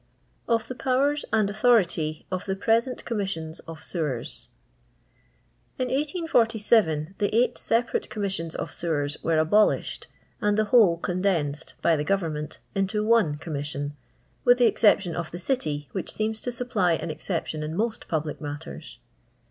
Of TBI Powers ahd AurnoRirr or toe PRKSKKT CuMMISSIOVS OF SeWEX8. Iir 1847 the eight separate Commissions of Sewers were abolished, and the whole condensed, by the GoTemment, into om Commission, with the excep tion of the City, which seems to supply an excep tion in most public matters.